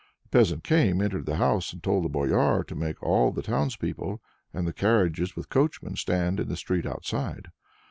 The peasant came, entered the house, and told Boyar to make all the townspeople, and the carriages with coachmen, stand in the street outside.